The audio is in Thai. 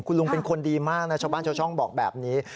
คุณลุงเป็นคนดีมากนะชาวบ้านชาวช่องบอกแบบนี้